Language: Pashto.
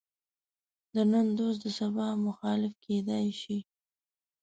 د نن دوست د سبا مخالف کېدای شي.